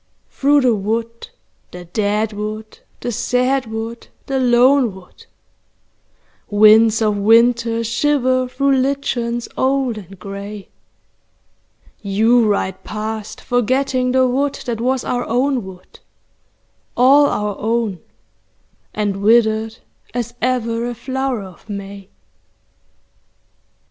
Through the wood, the dead wood, the sad wood, the lone wood, Winds of winter shiver through lichens old and grey, You ride past forgetting the wood that was our own wood, All our own and withered as ever a flower of May.